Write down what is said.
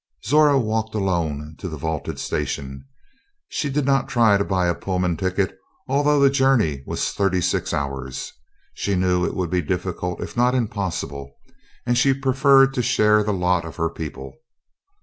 Zora walked alone to the vaulted station. She did not try to buy a Pullman ticket, although the journey was thirty six hours. She knew it would be difficult if not impossible and she preferred to share the lot of her people.